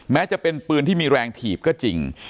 แม้จะเป็นปืนที่มีแรงถีบก็จริง